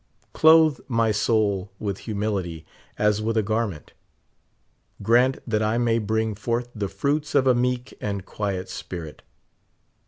Clothe my soul with humility as with a garment. Grant that I may bring forth the fruits of a meek and quiet spirit.